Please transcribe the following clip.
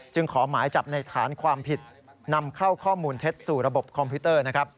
ขอหมายจับในฐานความผิดนำเข้าข้อมูลเท็จสู่ระบบคอมพิวเตอร์นะครับ